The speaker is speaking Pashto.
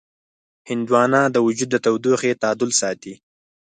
هندوانه د وجود د تودوخې تعادل ساتي.